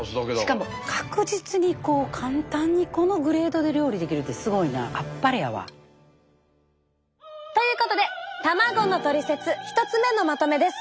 しかも確実にこう簡単にこのグレードで料理できるてすごいな。ということで卵のトリセツ１つ目のまとめです。